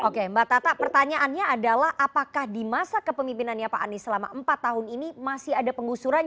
oke mbak tata pertanyaannya adalah apakah di masa kepemimpinannya pak anies selama empat tahun ini masih ada penggusuran